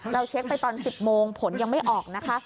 เช็คไปตอน๑๐โมงผลยังไม่ออกนะคะ